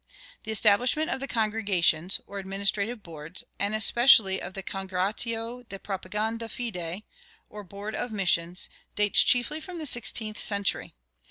The establishment of the "congregations" or administrative boards, and especially of the Congregatio de Propaganda Fide, or board of missions, dates chiefly from the sixteenth century.